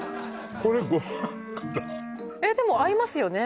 えっでも合いますよね？